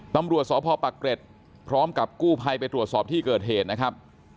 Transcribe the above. ตำรวจสพปักเกร็ดพร้อมกับกู้ภัยไปตรวจสอบที่เกิดเหตุนะครับ